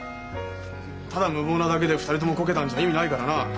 ただ無謀なだけで２人ともこけたんじゃ意味ないからな。